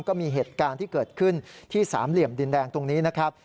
ก็มีเหตุการณ์ที่เกิดขึ้นที่สามเหลี่ยมดินแดงตรงนี้นะครับ